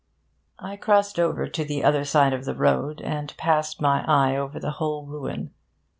I crossed over to the other side of the road, and passed my eye over the whole ruin.